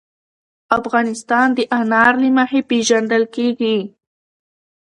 افغانستان د انار له مخې پېژندل کېږي.